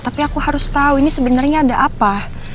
tapi aku harus tau ini sebenernya ada apa